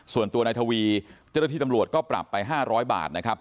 ส่วนตัวนายทวีเจ้าหน้าที่ตำรวจก็ปรับไป๕๐๐บาทนะครับ